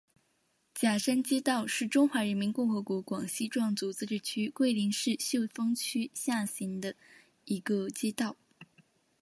甲山街道是中华人民共和国广西壮族自治区桂林市秀峰区下辖的一个街道。